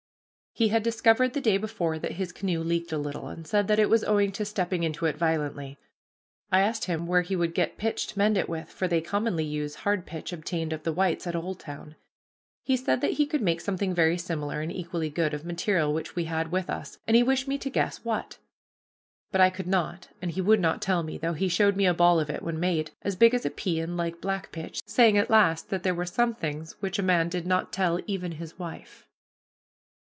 He had discovered the day before that his canoe leaked a little, and said that it was owing to stepping into it violently. I asked him where he would get pitch to mend it with, for they commonly use hard pitch, obtained of the whites at Oldtown. He said that he could make something very similar, and equally good, of material which we had with us; and he wished me to guess what. But I could not, and he would not tell me, though he showed me a ball of it when made, as big as a pea and like black pitch, saying, at last, that there were some things which a man did not tell even his wife.